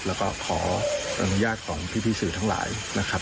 แล้วก็ขออนุญาตของพี่สื่อทั้งหลายนะครับ